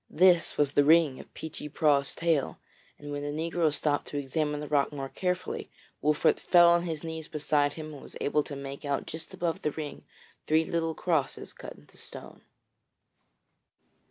This was the ring of Peechy Prauw's tale, and when the negro stooped to examine the rock more carefully, Wolfert fell on his knees beside him and was able to make out just above the ring three little crosses cut in the stone.